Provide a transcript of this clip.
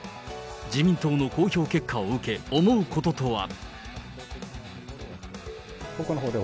自民党の公表結果を受け、思うこととは。